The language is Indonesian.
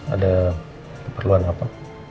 ada keperluan apa